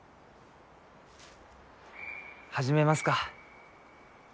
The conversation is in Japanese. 始めますか。